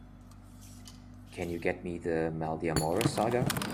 Can you get me the Maldeamores saga?